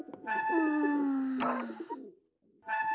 うん。